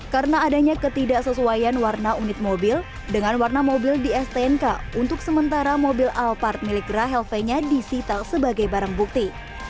karena adanya ketidaksesuaian warna unit mobil dengan warna mobil di stnk untuk sementara mobil alphard milik rahel fenya disita sebagai barang bukti